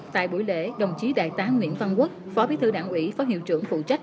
tại buổi lễ đồng chí đại tá nguyễn văn quốc phó bí thư đảng ủy phó hiệu trưởng phụ trách